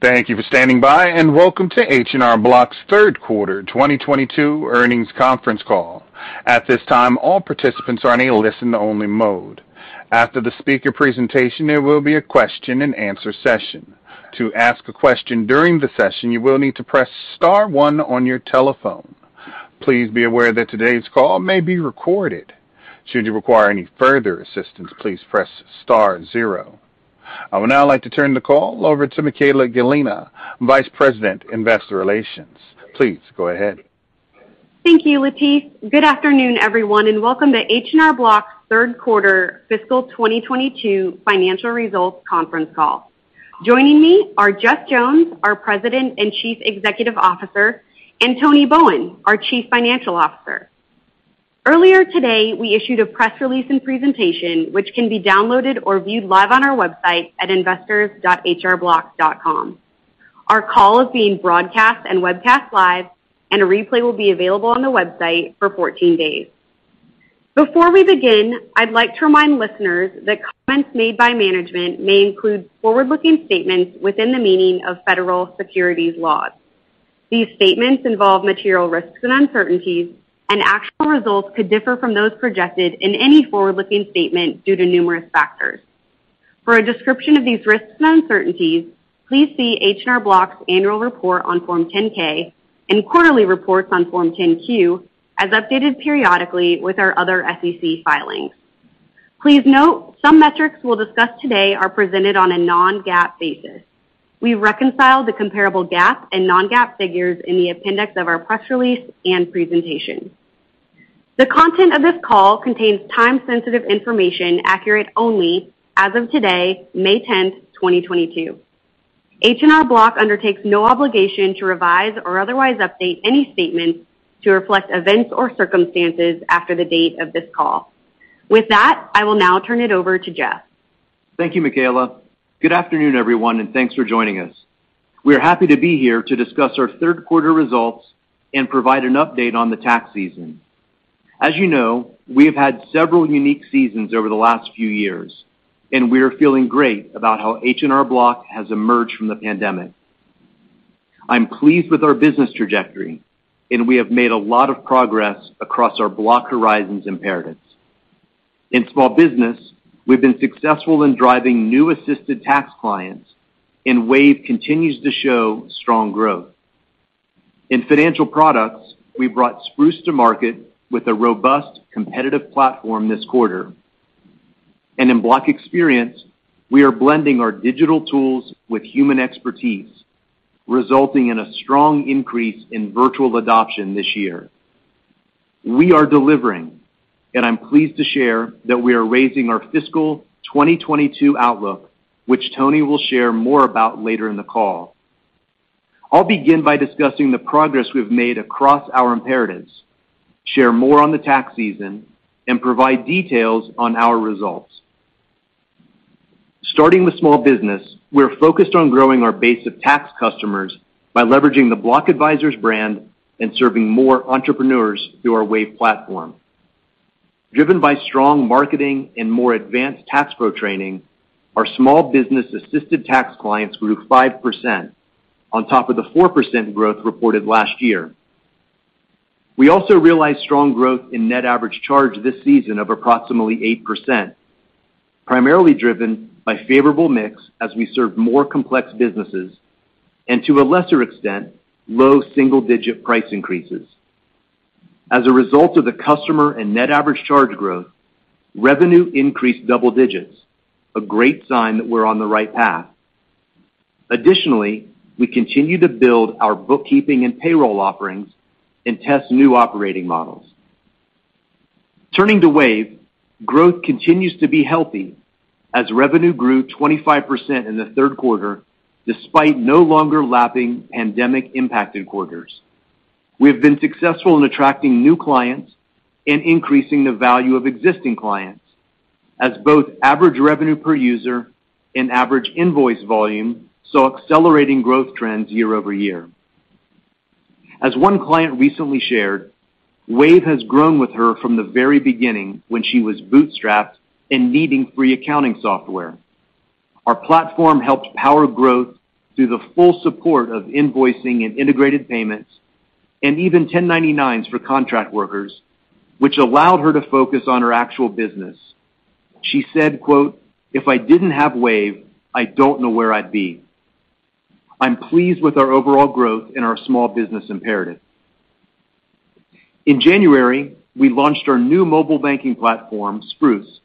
Thank you for standing by, and Welcome to H&R Block's Third Quarter 2022 Earnings Conference Call. At this time, all participants are in a listen-only mode. After the speaker presentation, there will be a question-and-answer session. To ask a question during the session, you will need to press star one on your telephone. Please be aware that today's call may be recorded. Should you require any further assistance, please press star zero. I would now like to turn the call over to Michaella Gallina, Vice President, Investor Relations. Please go ahead. Thank you, Latif. Good afternoon, everyone, and Welcome to H&R Block's Third Quarter Fiscal 2022 Financial Results Conference Call. Joining me are Jeff Jones, our President and Chief Executive Officer, and Tony Bowen, our Chief Financial Officer. Earlier today, we issued a press release and presentation which can be downloaded or viewed live on our website at investors.hrblock.com. Our call is being broadcast and webcast live, and a replay will be available on the website for 14 days. Before we begin, I'd like to remind listeners that comments made by management may include forward-looking statements within the meaning of federal securities laws. These statements involve material risks and uncertainties, and actual results could differ from those projected in any forward-looking statement due to numerous factors. For a description of these risks and uncertainties, please see H&R Block's annual report on Form 10-K and quarterly reports on Form 10-Q, as updated periodically with our other SEC filings. Please note some metrics we'll discuss today are presented on a non-GAAP basis. We reconcile the comparable GAAP and non-GAAP figures in the appendix of our press release and presentation. The content of this call contains time-sensitive information accurate only as of today, May 10, 2022. H&R Block undertakes no obligation to revise or otherwise update any statements to reflect events or circumstances after the date of this call. With that, I will now turn it over to Jeff. Thank you, Michaella. Good afternoon, everyone, and thanks for joining us. We are happy to be here to discuss our third quarter results and provide an update on the tax season. As you know, we have had several unique seasons over the last few years, and we are feeling great about how H&R Block has emerged from the pandemic. I'm pleased with our business trajectory, and we have made a lot of progress across our Block Horizons imperatives. In Small Business, we've been successful in driving new Assisted Tax clients, and Wave continues to show strong growth. In financial products, we brought Spruce to market with a robust, competitive platform this quarter. In Block Experience, we are blending our digital tools with human expertise, resulting in a strong increase in virtual adoption this year. We are delivering, and I'm pleased to share that we are raising our fiscal 2022 outlook, which Tony will share more about later in the call. I'll begin by discussing the progress we've made across our imperatives, share more on the tax season, and provide details on our results. Starting with Small Business, we're focused on growing our base of tax customers by leveraging the Block Advisors brand and serving more entrepreneurs through our Wave platform. Driven by strong marketing and more advanced tax pro training, our Small Business Assisted Tax clients grew 5% on top of the 4% growth reported last year. We also realized strong growth in net average charge this season of approximately 8%, primarily driven by favorable mix as we serve more complex businesses and, to a lesser extent, low single-digit price increases. As a result of the customer and net average charge growth, revenue increased double digits, a great sign that we're on the right path. Additionally, we continue to build our bookkeeping and payroll offerings and test new operating models. Turning to Wave, growth continues to be healthy as revenue grew 25% in the third quarter, despite no longer lapping pandemic-impacted quarters. We have been successful in attracting new clients and increasing the value of existing clients, as both average revenue per user and average invoice volume saw accelerating growth trends year-over-year. As one client recently shared, Wave has grown with her from the very beginning when she was bootstrapped and needing free accounting software. Our platform helped power growth through the full support of invoicing and integrated payments and even 1099s for contract workers, which allowed her to focus on her actual business. She said, quote, "If I didn't have Wave, I don't know where I'd be." I'm pleased with our overall growth in our Small Business imperative. In January, we launched our new mobile banking platform, Spruce.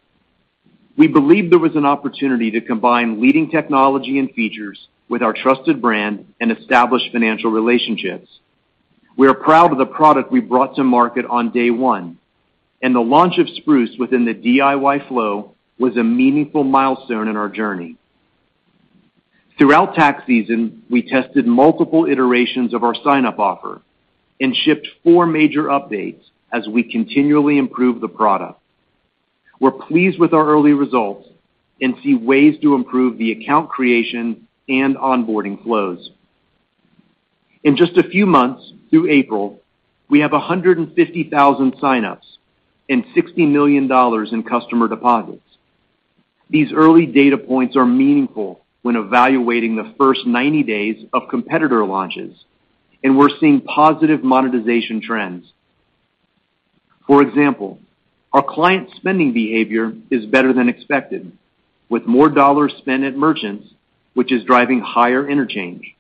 We believed there was an opportunity to combine leading technology and features with our trusted brand and establish financial relationships. We are proud of the product we brought to market on day one, and the launch of Spruce within the DIY flow was a meaningful milestone in our journey. Throughout tax season, we tested multiple iterations of our sign-up offer and shipped four major updates as we continually improve the product. We're pleased with our early results and see ways to improve the account creation and onboarding flows. In just a few months through April, we have 150,000 signups and $60 million in customer deposits. These early data points are meaningful when evaluating the first 90 days of competitor launches, and we're seeing positive monetization trends. For example, our client spending behavior is better than expected, with more dollars spent at merchants, which is driving higher interchange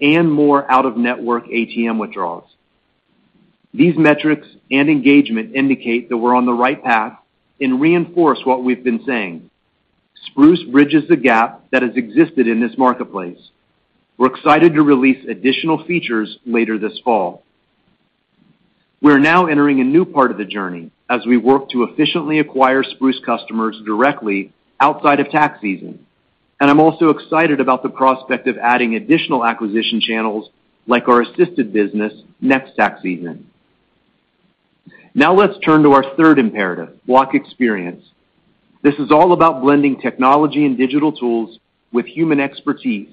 and more out-of-network ATM withdrawals. These metrics and engagement indicate that we're on the right path and reinforce what we've been saying. Spruce bridges the gap that has existed in this marketplace. We're excited to release additional features later this fall. We're now entering a new part of the journey as we work to efficiently acquire Spruce customers directly outside of tax season, and I'm also excited about the prospect of adding additional acquisition channels like our Assisted Business next tax season. Now let's turn to our third imperative, Block Experience. This is all about blending technology and digital tools with human expertise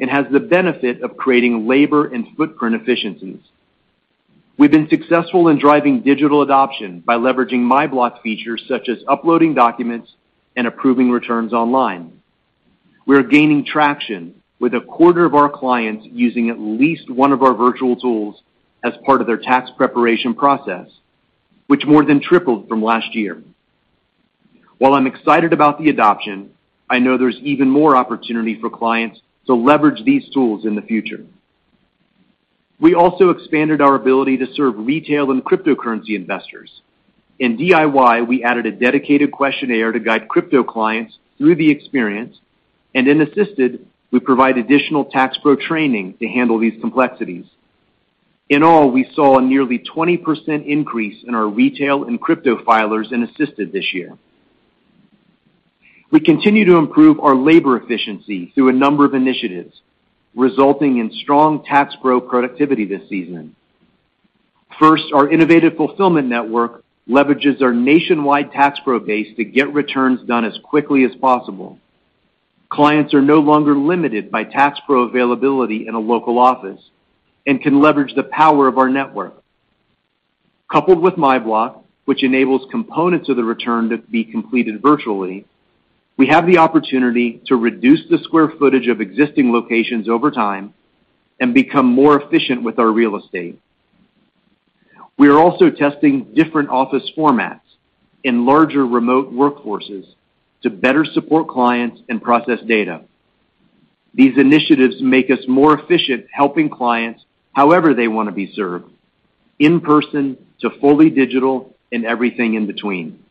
and has the benefit of creating labor and footprint efficiencies. We've been successful in driving digital adoption by leveraging MyBlock features such as uploading documents and approving returns online. We are gaining traction with a quarter of our clients using at least one of our virtual tools as part of their tax preparation process, which more than tripled from last year. While I'm excited about the adoption, I know there's even more opportunity for clients to leverage these tools in the future. We also expanded our ability to serve retail and cryptocurrency investors. In DIY, we added a dedicated questionnaire to guide crypto clients through the experience, and in Assisted, we provide additional Tax Pro training to handle these complexities. In all, we saw a nearly 20% increase in our retail and crypto filers in Assisted this year. We continue to improve our labor efficiency through a number of initiatives, resulting in strong Tax Pro productivity this season. First, our innovative fulfillment network leverages our nationwide Tax Pro base to get returns done as quickly as possible. Clients are no longer limited by Tax Pro availability in a local office and can leverage the power of our network. Coupled with MyBlock, which enables components of the return to be completed virtually, we have the opportunity to reduce the square footage of existing locations over time and become more efficient with our real estate. We are also testing different office formats and larger remote workforces to better support clients and process data. These initiatives make us more efficient helping clients however they want to be served, in person to fully digital and everything in between.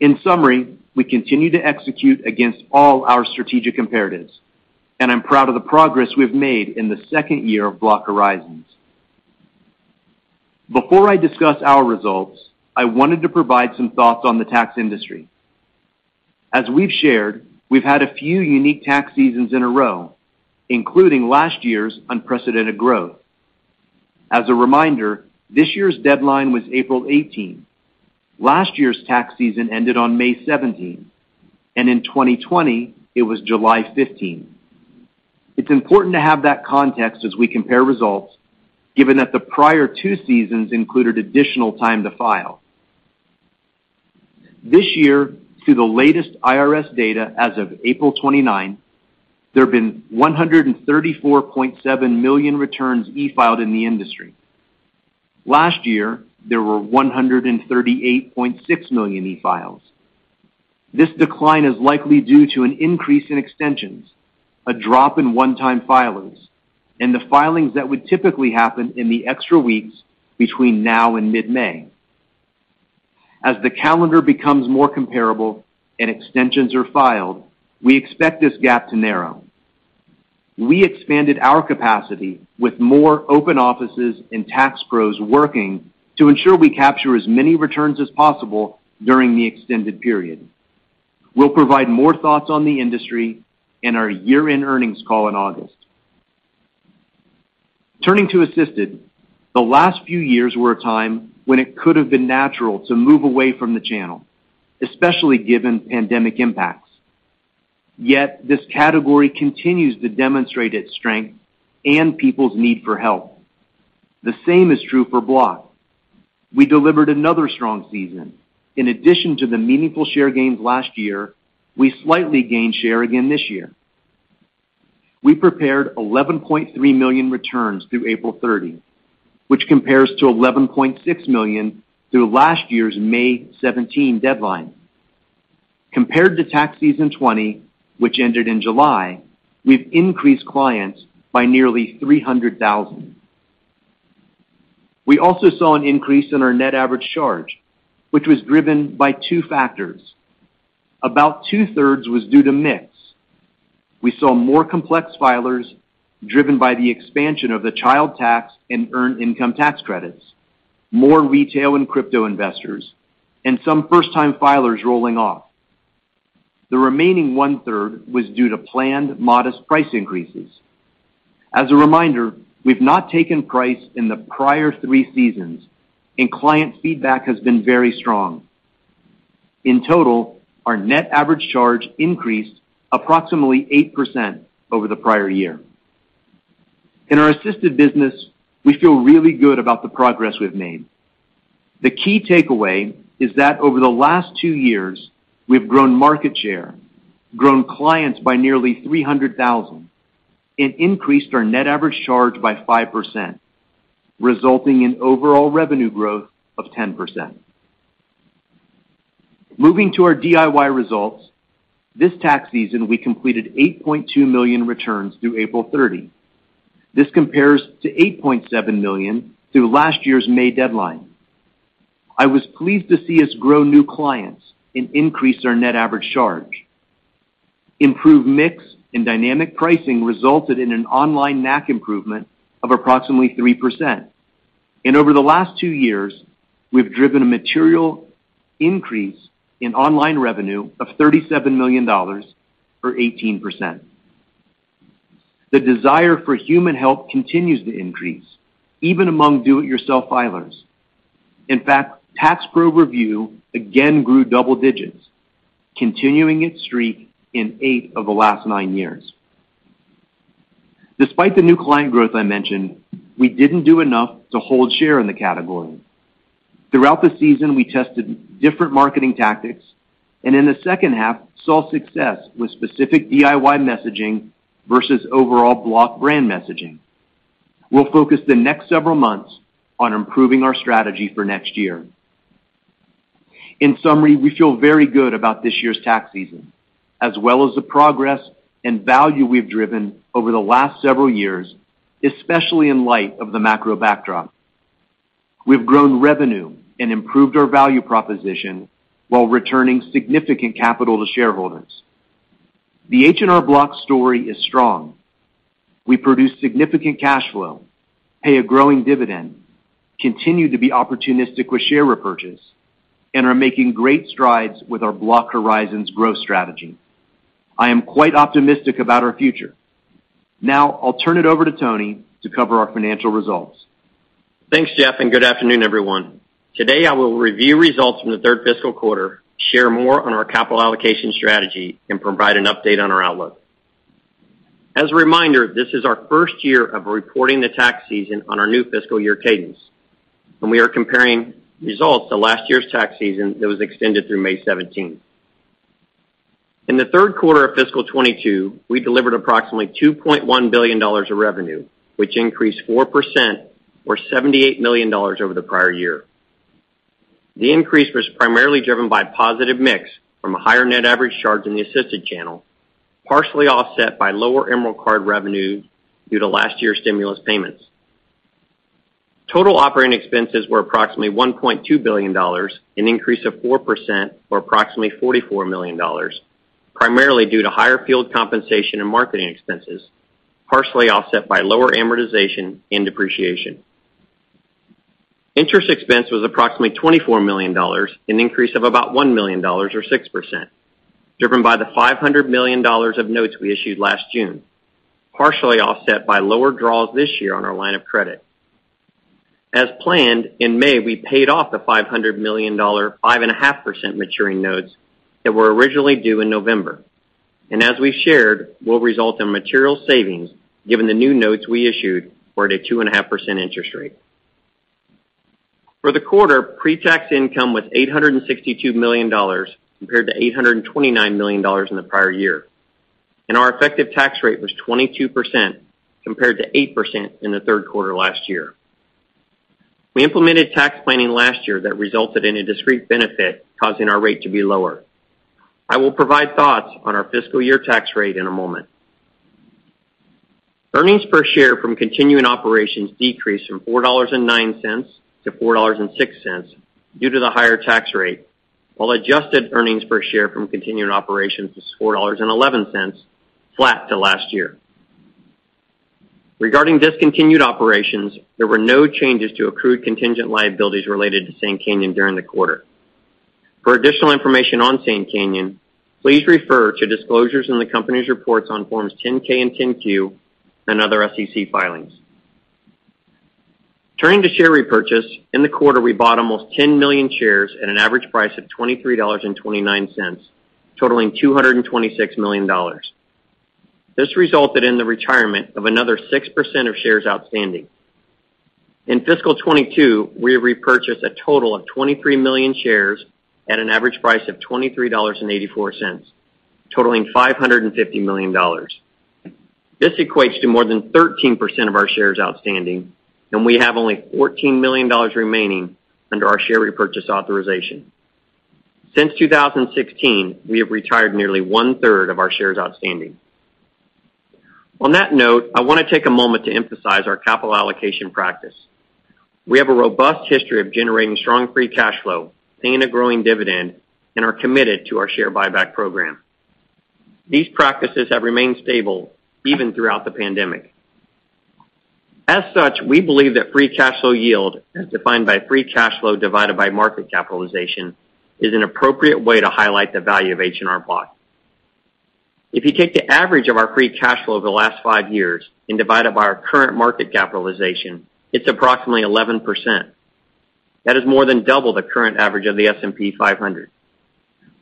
In summary, we continue to execute against all our strategic imperatives, and I'm proud of the progress we've made in the second year of Block Horizons. Before I discuss our results, I wanted to provide some thoughts on the tax industry. As we've shared, we've had a few unique tax seasons in a row, including last year's unprecedented growth. As a reminder, this year's deadline was April 18th. Last year's tax season ended on May 17th, and in 2020, it was July 15th. It's important to have that context as we compare results, given that the prior two seasons included additional time to file. This year, through the latest IRS data as of April 29, there have been 134.7 million returns e-filed in the industry. Last year, there were 138.6 million e-files. This decline is likely due to an increase in extensions, a drop in one-time filers, and the filings that would typically happen in the extra weeks between now and mid-May. As the calendar becomes more comparable and extensions are filed, we expect this gap to narrow. We expanded our capacity with more open offices and Tax Pros working to ensure we capture as many returns as possible during the extended period. We'll provide more thoughts on the industry in our year-end earnings call in August. Turning to Assisted, the last few years were a time when it could have been natural to move away from the channel, especially given pandemic impacts. Yet this category continues to demonstrate its strength and people's need for help. The same is true for Block. We delivered another strong season. In addition to the meaningful share gains last year, we slightly gained share again this year. We prepared 11.3 million returns through April 30, which compares to 11.6 million through last year's May 17 deadline. Compared to tax season 2020, which ended in July, we've increased clients by nearly 300,000. We also saw an increase in our net average charge, which was driven by two factors. About 2/3 was due to mix. We saw more complex filers driven by the expansion of the child tax credit and earned income tax credit, more retail and crypto investors, and some first-time filers rolling off. The remaining 1/3 was due to planned modest price increases. As a reminder, we've not taken price in the prior three seasons and client feedback has been very strong. In total, our net average charge increased approximately 8% over the prior year. In our Assisted business, we feel really good about the progress we've made. The key takeaway is that over the last two years, we've grown market share, grown clients by nearly 300,000, and increased our net average charge by 5%, resulting in overall revenue growth of 10%. Moving to our DIY results, this tax season, we completed 8.2 million returns through April 30. This compares to 8.7 million through last year's May deadline. I was pleased to see us grow new clients and increase our net average charge. Improved mix and dynamic pricing resulted in an online NAC improvement of approximately 3%. Over the last two years, we've driven a material increase in online revenue of $37 million, or 18%. The desire for human help continues to increase, even among do-it-yourself filers. In fact, Tax Pro Review again grew double digits, continuing its streak in eight of the last nine years. Despite the new client growth I mentioned, we didn't do enough to hold share in the category. Throughout the season, we tested different marketing tactics, and in the second half, saw success with specific DIY messaging vs overall Block brand messaging. We'll focus the next several months on improving our strategy for next year. In summary, we feel very good about this year's tax season, as well as the progress and value we've driven over the last several years, especially in light of the macro backdrop. We've grown revenue and improved our value proposition while returning significant capital to shareholders. The H&R Block story is strong. We produce significant cash flow, pay a growing dividend, continue to be opportunistic with share repurchase, and are making great strides with our Block Horizons growth strategy. I am quite optimistic about our future. Now, I'll turn it over to Tony to cover our financial results. Thanks, Jeff, and good afternoon, everyone. Today, I will review results from the third fiscal quarter, share more on our capital allocation strategy, and provide an update on our outlook. As a reminder, this is our first year of reporting the tax season on our new fiscal year cadence, and we are comparing results to last year's tax season that was extended through May 17th. In the third quarter of fiscal 2022, we delivered approximately $2.1 billion of revenue, which increased 4% or $78 million over the prior year. The increase was primarily driven by positive mix from a higher net average charge in the Assisted channel, partially offset by lower Emerald Card revenue due to last year's stimulus payments. Total operating expenses were approximately $1.2 billion, an increase of 4% or approximately $44 million, primarily due to higher field compensation and marketing expenses, partially offset by lower amortization and depreciation. Interest expense was approximately $24 million, an increase of about $1 million or 6%, driven by the $500 million of notes we issued last June, partially offset by lower draws this year on our line of credit. As planned, in May, we paid off the $500 million 5.5% maturing notes that were originally due in November. As we've shared, will result in material savings, given the new notes we issued were at a 2.5% interest rate. For the quarter, pre-tax income was $862 million compared to $829 million in the prior year, and our effective tax rate was 22% compared to 8% in the third quarter last year. We implemented tax planning last year that resulted in a discrete benefit, causing our rate to be lower. I will provide thoughts on our fiscal year tax rate in a moment. Earnings per share from continuing operations decreased from $4.09-$4.06 due to the higher tax rate, while adjusted earnings per share from continuing operations was $4.11, flat to last year. Regarding discontinued operations, there were no changes to accrued contingent liabilities related to Sand Canyon during the quarter. For additional information on Sand Canyon, please refer to disclosures in the company's reports on Form 10-K and Form 10-Q and other SEC filings. Turning to share repurchase, in the quarter, we bought almost 10 million shares at an average price of $23.29, totaling $226 million. This resulted in the retirement of another 6% of shares outstanding. In fiscal 2022, we repurchased a total of 23 million shares at an average price of $23.84, totaling $550 million. This equates to more than 13% of our shares outstanding, and we have only $14 million remaining under our share repurchase authorization. Since 2016, we have retired nearly one-third of our shares outstanding. On that note, I wanna take a moment to emphasize our capital allocation practice. We have a robust history of generating strong free cash flow, paying a growing dividend, and are committed to our share buyback program. These practices have remained stable even throughout the pandemic. As such, we believe that free cash flow yield, as defined by free cash flow divided by market capitalization, is an appropriate way to highlight the value of H&R Block. If you take the average of our free cash flow over the last five years and divide it by our current market capitalization, it's approximately 11%. That is more than double the current average of the S&P 500.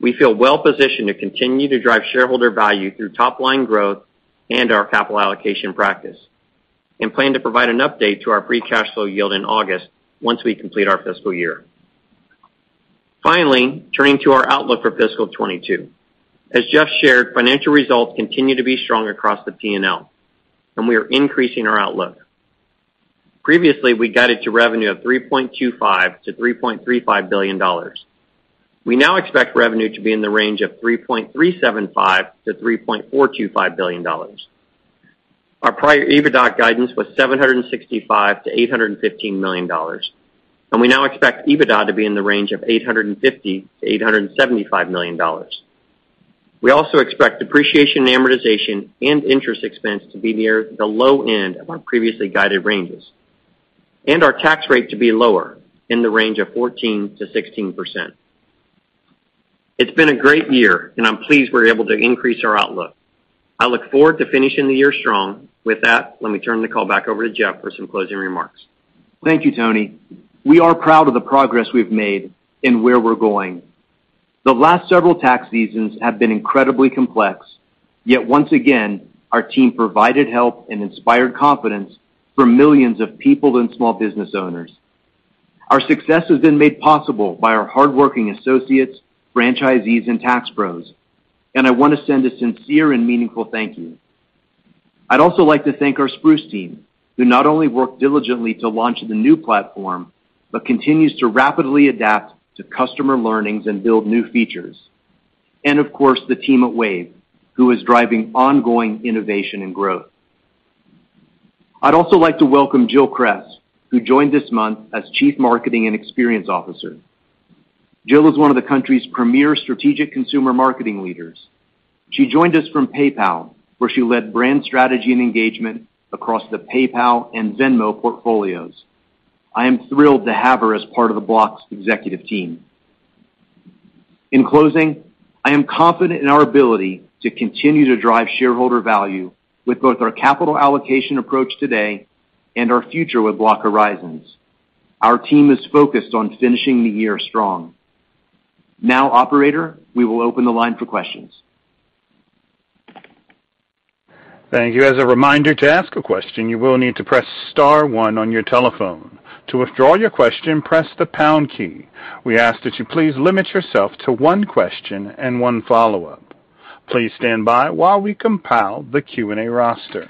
We feel well positioned to continue to drive shareholder value through top line growth and our capital allocation practice and plan to provide an update to our free cash flow yield in August once we complete our fiscal year. Finally, turning to our outlook for fiscal 2022. As Jeff shared, financial results continue to be strong across the P&L, and we are increasing our outlook. Previously, we guided to revenue of $3.25 billion-$3.35 billion. We now expect revenue to be in the range of $3.375 billion-$3.425 billion. Our prior EBITDA guidance was $765 million-$815 million, and we now expect EBITDA to be in the range of $850 million-$875 million. We also expect depreciation, amortization, and interest expense to be near the low end of our previously guided ranges and our tax rate to be lower in the range of 14%-16%. It's been a great year, and I'm pleased we're able to increase our outlook. I look forward to finishing the year strong. With that, let me turn the call back over to Jeff for some closing remarks. Thank you, Tony. We are proud of the progress we've made and where we're going. The last several tax seasons have been incredibly complex, yet once again, our team provided help and inspired confidence for millions of people and small business owners. Our success has been made possible by our hardworking associates, franchisees, and tax pros. I want to send a sincere and meaningful thank you. I'd also like to thank our Spruce team, who not only worked diligently to launch the new platform, but continues to rapidly adapt to customer learnings and build new features. Of course, the team at Wave, who is driving ongoing innovation and growth. I'd also like to welcome Jill Kress, who joined this month as Chief Marketing and Experience Officer. Jill is one of the country's premier strategic consumer marketing leaders. She joined us from PayPal, where she led brand strategy and engagement across the PayPal and Venmo portfolios. I am thrilled to have her as part of the Block's executive team. In closing, I am confident in our ability to continue to drive shareholder value with both our capital allocation approach today and our future with Block Horizons. Our team is focused on finishing the year strong. Now, operator, we will open the line for questions. Thank you. As a reminder, to ask a question, you will need to press star one on your telephone. To withdraw your question, press the pound key. We ask that you please limit yourself to one question and one follow-up. Please stand by while we compile the Q&A roster.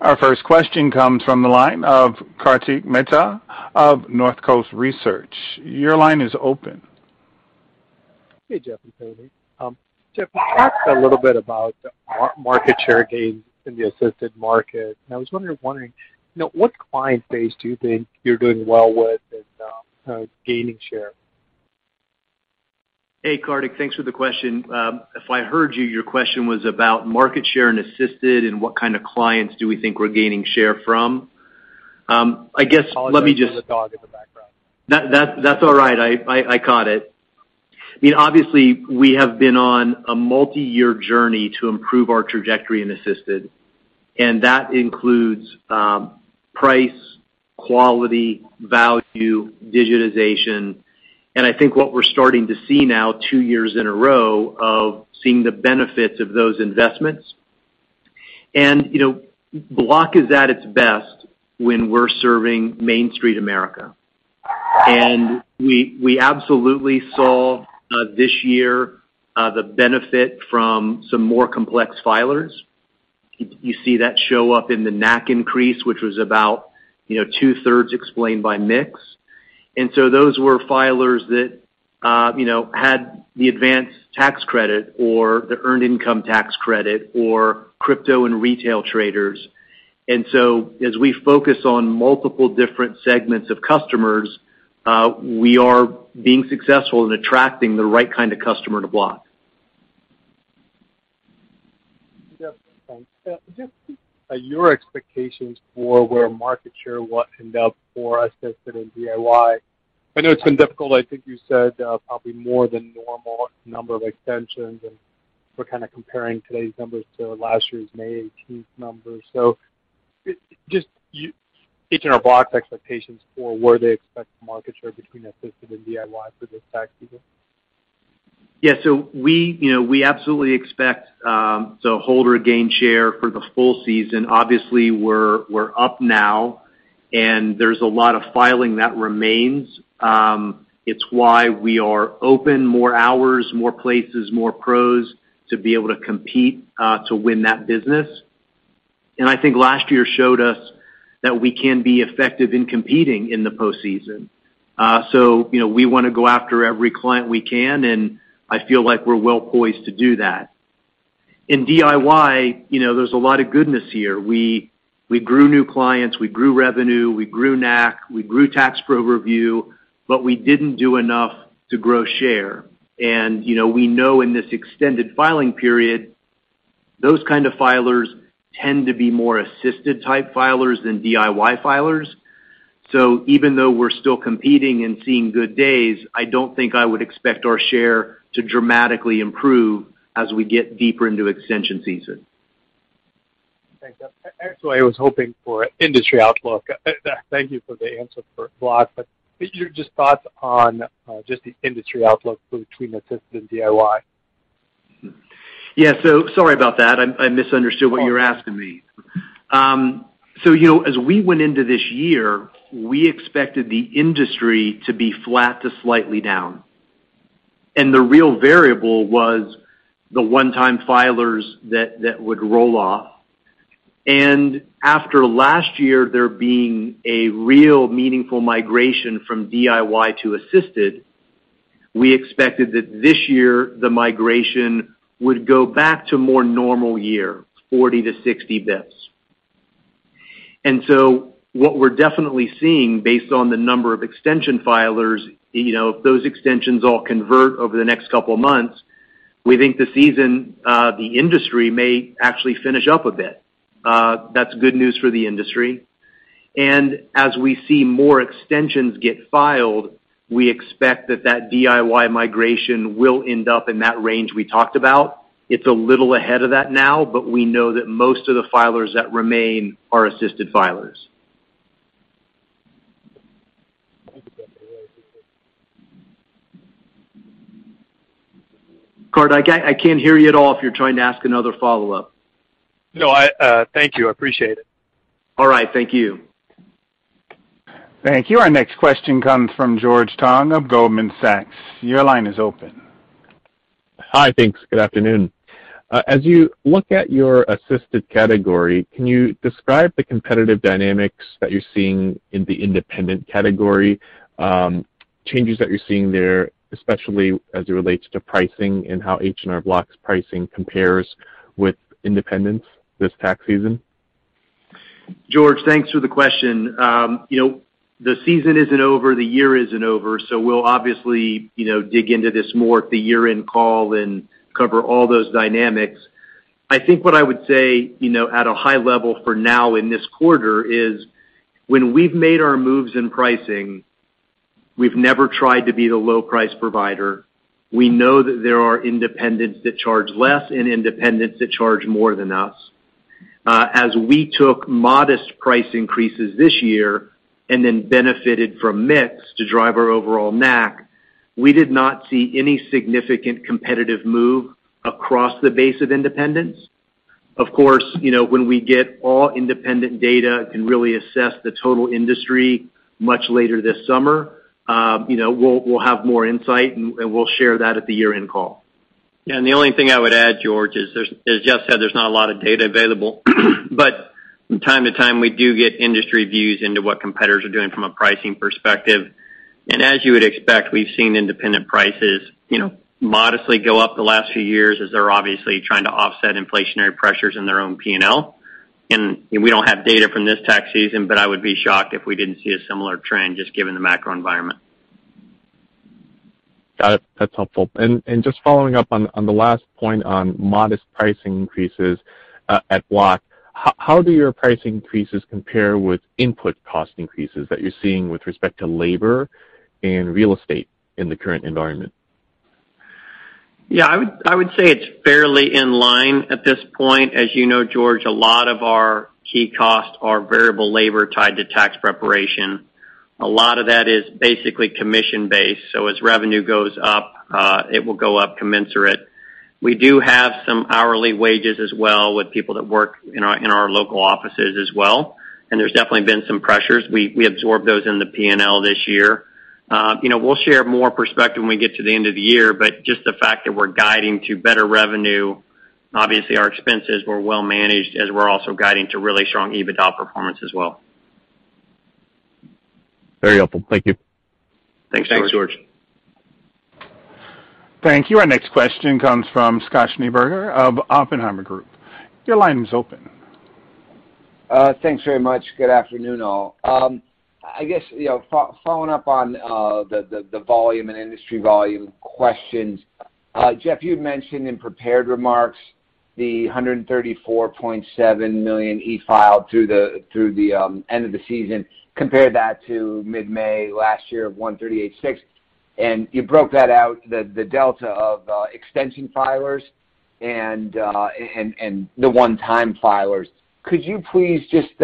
Our first question comes from the line of Kartik Mehta of Northcoast Research. Your line is open. Hey, Jeff and Tony. Jeff, you talked a little bit about market share gains in the Assisted market, and I was wondering, you know, what client base do you think you're doing well with and gaining share? Hey, Kartik. Thanks for the question. If I heard you, your question was about market share and Assisted and what kind of clients do we think we're gaining share from. Apologize for the dog in the background. That, that's all right. I caught it. I mean, obviously we have been on a multi-year journey to improve our trajectory in Assisted, and that includes price, quality, value, digitization. I think what we're starting to see now two years in a row of seeing the benefits of those investments. You know, Block is at its best when we're serving Main Street America. We absolutely saw this year the benefit from some more complex filers. You see that show up in the NAC increase, which was about, you know, two-thirds explained by mix. Those were filers that you know had the advanced tax credit or the earned income tax credit or crypto and retail traders. As we focus on multiple different segments of customers, we are being successful in attracting the right kind of customer to Block. Jeff, thanks. Just your expectations for where market share will end up for Assisted and DIY. I know it's been difficult. I think you said, probably more than normal number of extensions, and we're kind of comparing today's numbers to last year's May 18 numbers. Sticking to H&R Block's expectations for where they expect market share between Assisted and DIY for this tax season. Yeah. You know, we absolutely expect to hold or gain share for the full season. Obviously, we're up now, and there's a lot of filing that remains. It's why we are open more hours, more places, more pros to be able to compete, to win that business. I think last year showed us that we can be effective in competing in the postseason. You know, we wanna go after every client we can, and I feel like we're well-poised to do that. In DIY, you know, there's a lot of goodness here. We grew new clients, we grew revenue, we grew NAC, we grew Tax Pro Review, but we didn't do enough to grow share. You know, we know in this extended filing period. Those kind of filers tend to be more Assisted type filers than DIY filers. Even though we're still competing and seeing good days, I don't think I would expect our share to dramatically improve as we get deeper into extension season. Thanks. Actually, I was hoping for industry outlook. Thank you for the answer for Block. Just your thoughts on just the industry outlook between Assisted and DIY. Yeah. Sorry about that. I misunderstood what you were asking me. You know, as we went into this year, we expected the industry to be flat to slightly down, and the real variable was the one-time filers that would roll off. After last year, there being a real meaningful migration from DIY to Assisted, we expected that this year, the migration would go back to more normal year, 40-60 basis points. What we're definitely seeing based on the number of extension filers, you know, if those extensions all convert over the next couple of months, we think the season, the industry may actually finish up a bit. That's good news for the industry. As we see more extensions get filed, we expect that DIY migration will end up in that range we talked about. It's a little ahead of that now, but we know that most of the filers that remain are Assisted filers. Thank you, Jeff. I really appreciate it. Kartik, I can't hear you at all if you're trying to ask another follow-up. No, I thank you. I appreciate it. All right. Thank you. Thank you. Our next question comes from George Tong of Goldman Sachs. Your line is open. Hi. Thanks. Good afternoon. As you look at your Assisted category, can you describe the competitive dynamics that you're seeing in the independent category, changes that you're seeing there, especially as it relates to pricing and how H&R Block's pricing compares with independents this tax season? George, thanks for the question. You know, the season isn't over, the year isn't over, so we'll obviously, you know, dig into this more at the year-end call and cover all those dynamics. I think what I would say, you know, at a high level for now in this quarter is when we've made our moves in pricing, we've never tried to be the low price provider. We know that there are independents that charge less and independents that charge more than us. As we took modest price increases this year and then benefited from mix to drive our overall NAC, we did not see any significant competitive move across the base of independents. Of course, you know, when we get all independent data and really assess the total industry much later this summer, you know, we'll have more insight and we'll share that at the year-end call. Yeah. The only thing I would add, George, is there's, as Jeff said, there's not a lot of data available. From time to time, we do get industry views into what competitors are doing from a pricing perspective. As you would expect, we've seen independent prices, you know, modestly go up the last few years as they're obviously trying to offset inflationary pressures in their own P&L. We don't have data from this tax season, but I would be shocked if we didn't see a similar trend just given the macro environment. Got it. That's helpful. Just following up on the last point on modest pricing increases at Block, how do your pricing increases compare with input cost increases that you're seeing with respect to labor and real estate in the current environment? Yeah. I would say it's fairly in line at this point. As you know, George, a lot of our key costs are variable labor tied to tax preparation. A lot of that is basically commission-based, so as revenue goes up, it will go up commensurate. We do have some hourly wages as well with people that work in our local offices as well, and there's definitely been some pressures. We absorb those in the P&L this year. You know, we'll share more perspective when we get to the end of the year. Just the fact that we're guiding to better revenue, obviously, our expenses were well managed as we're also guiding to really strong EBITDA performance as well. Very helpful. Thank you. Thanks, George. Thanks, George. Thank you. Our next question comes from Scott Schneeberger of Oppenheimer & Co. Your line is open. Thanks very much. Good afternoon, all. I guess, you know, following up on the volume and industry volume questions. Jeff, you mentioned in prepared remarks the 134.7 million e-filed through the end of the season, compare that to mid-May last year of 138.6. You broke that out, the delta of extension filers and the one-time filers. Could you please just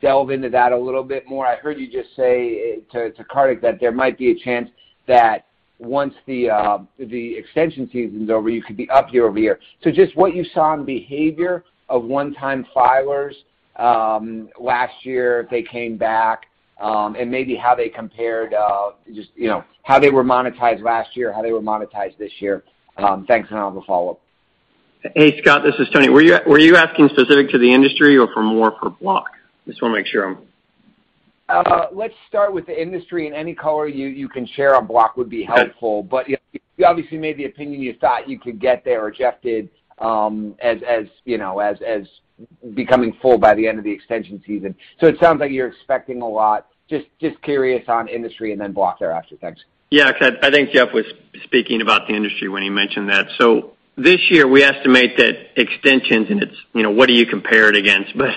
delve into that a little bit more? I heard you just say to Kartik that there might be a chance that once the extension season's over, you could be up year over year. Just what you saw in behavior of one-time filers last year if they came back, and maybe how they compared, just, you know, how they were monetized last year, how they were monetized this year. Thanks, and I'll have a follow-up. Hey, Scott, this is Tony. Were you asking specific to the industry or for more for Block? Just wanna make sure I'm Let's start with the industry, and any color you can share on Block would be helpful. You obviously made the opinion you thought you could get there or Jeff did, as you know, as becoming full by the end of the extension season. It sounds like you're expecting a lot. Just curious on industry and then Block thereafter. Thanks. Yeah. 'Cause I think Jeff was speaking about the industry when he mentioned that. This year, we estimate that extensions and it's what do you compare it against, but.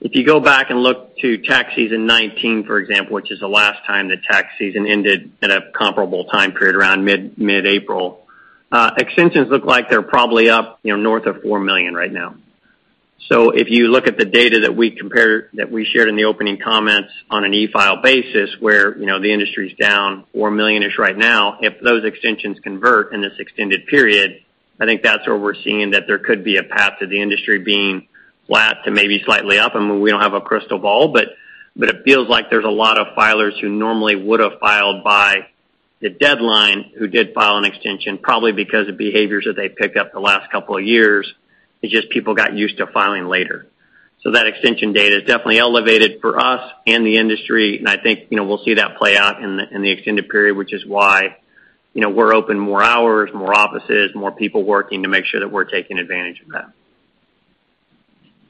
If you go back and look to tax season 2019, for example, which is the last time the tax season ended at a comparable time period, around mid-April, extensions look like they're probably up north of 4 million right now. If you look at the data that we shared in the opening comments on an e-file basis where the industry's down 4 million-ish right now, if those extensions convert in this extended period, I think that's where we're seeing that there could be a path to the industry being flat to maybe slightly up. I mean, we don't have a crystal ball, but it feels like there's a lot of filers who normally would have filed by the deadline who did file an extension probably because of behaviors that they've picked up the last couple of years. It's just people got used to filing later. That extension data is definitely elevated for us and the industry, and I think, you know, we'll see that play out in the extended period, which is why, you know, we're open more hours, more offices, more people working to make sure that we're taking advantage of that.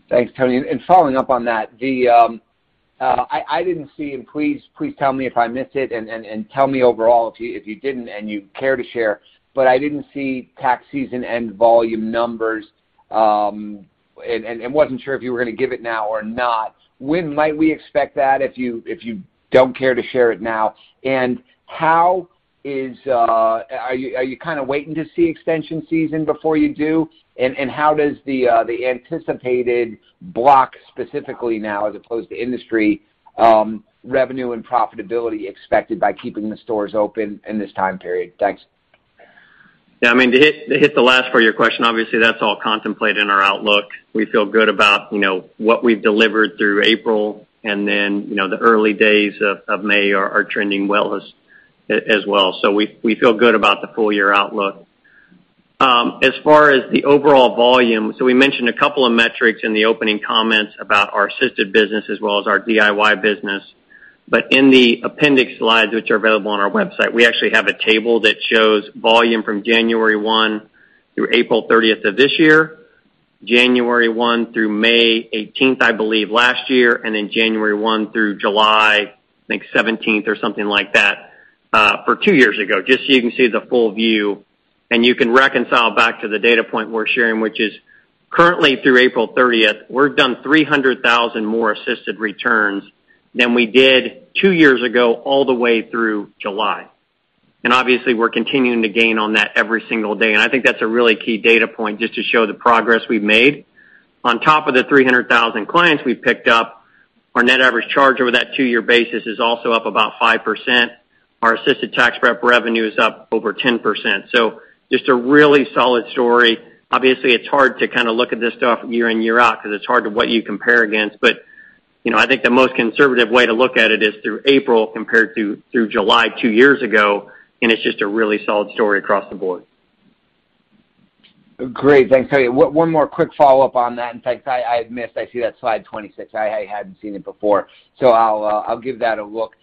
Thanks, Tony. Following up on that, I didn't see, and please tell me if I missed it, and tell me overall if you didn't, and you care to share, but I didn't see tax season end volume numbers, and wasn't sure if you were gonna give it now or not. When might we expect that if you don't care to share it now? How is... Are you kinda waiting to see extension season before you do? How does the anticipated Block specifically now as opposed to industry, revenue and profitability expected by keeping the stores open in this time period? Thanks. Yeah, I mean, to hit the last part of your question, obviously that's all contemplated in our outlook. We feel good about, you know, what we've delivered through April, and then, you know, the early days of May are trending well as well. We feel good about the full year outlook. As far as the overall volume, so we mentioned a couple of metrics in the opening comments about our Assisted Business as well as our DIY Business. In the appendix slides, which are available on our website, we actually have a table that shows volume from January 1 through April 30 of this year, January 1 through May 18, I believe, last year, and then January 1 through July, I think, 17 or something like that, for two years ago, just so you can see the full view. You can reconcile back to the data point we're sharing, which is currently through April 30th, we've done 300,000 more Assisted returns than we did two years ago all the way through July. Obviously we're continuing to gain on that every single day, and I think that's a really key data point just to show the progress we've made. On top of the 300,000 clients we've picked up, our net average charge over that two-year basis is also up about 5%. Our Assisted tax prep revenue is up over 10%. Just a really solid story. Obviously, it's hard to kinda look at this stuff year in, year out, 'cause it's hard to what you compare against. You know, I think the most conservative way to look at it is through April compared to through July two years ago, and it's just a really solid story across the board. Great. Thanks, Tony. One more quick follow-up on that. In fact, I missed. I see that slide 26. I hadn't seen it before, so I'll give that a look.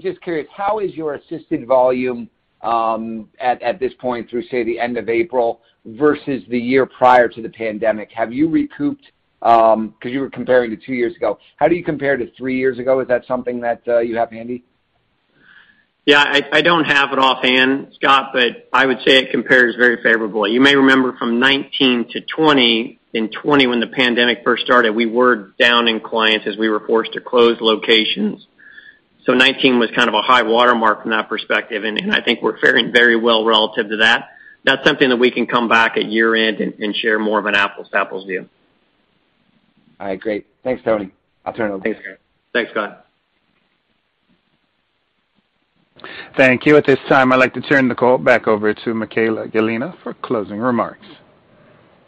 Just curious, how is your Assisted volume at this point through, say, the end of April vs the year prior to the pandemic? Have you recouped, 'cause you were comparing to two years ago. How do you compare to three years ago? Is that something that you have handy? Yeah. I don't have it offhand, Scott, but I would say it compares very favorably. You may remember from 2019-2020, in 2020 when the pandemic first started, we were down in clients as we were forced to close locations. 2019 was kind of a high watermark from that perspective, and I think we're faring very well relative to that. That's something that we can come back at year-end and share more of an apples to apples view. All right. Great. Thanks, Tony. I'll turn it over. Thanks, Scott. Thank you. At this time, I'd like to turn the call back over to Michaella Gallina for closing remarks.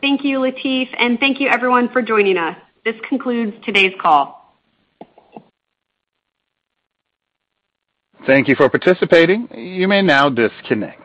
Thank you, Latif, and thank you everyone for joining us. This concludes today's call. Thank you for participating. You may now disconnect.